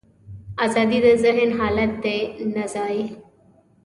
ازادي د ذهن حالت دی، نه ځای.